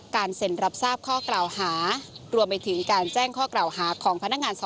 เซ็นรับทราบข้อกล่าวหารวมไปถึงการแจ้งข้อกล่าวหาของพนักงานสอบ